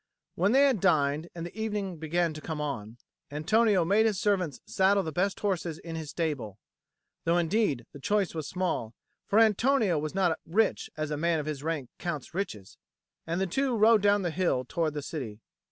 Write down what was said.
When they had dined and evening began to come on, Antonio made his servants saddle the best horses in his stable though, indeed, the choice was small, for Antonio was not rich as a man of his rank counts riches and the two rode down the hill towards the city.